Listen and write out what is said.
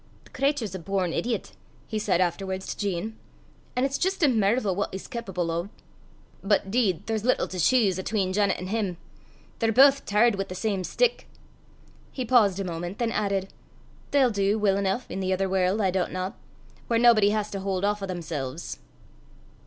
"The cratur's a born idiot!" he said afterwards to Jean; "an' it's jist a mervel what he's cawpable o'! But, 'deed, there's little to cheese atween Janet an' him! They're baith tarred wi' the same stick." He paused a moment, then added, "They'll dee weel eneuch i' the ither warl', I doobtna, whaur naebody has to haud aff o' themsel's."